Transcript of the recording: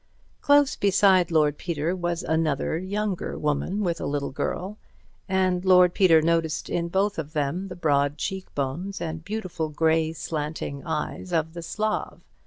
Close beside Lord Peter was another, younger woman, with a little girl, and Lord Peter noticed in both of them the broad cheekbones and beautiful, grey, slanting eyes of the Slav.